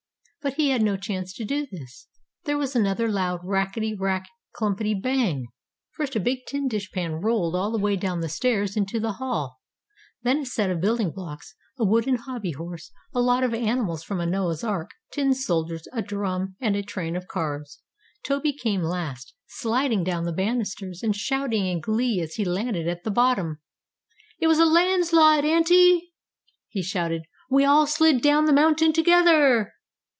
But he had no chance to do this. There was another loud racketty rack clumpity bang! First a big tin dish pan rolled all the way down the stairs into the hall; then a set of building blocks, a wooden hobby horse, a lot of animals from a Noah's ark, tin soldiers, a drum, and a train of cars. Toby came last, sliding down the banisters, and shouting in glee as he landed at the bottom. "It was a landslide, Auntie!" he shouted. "We all slid down the mountain together."